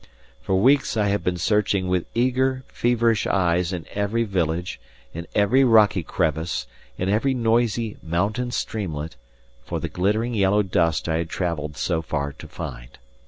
For weeks I had been searching with eager, feverish eyes in every village, in every rocky crevice, in every noisy mountain streamlet, for the glittering yellow dust I had travelled so far to find.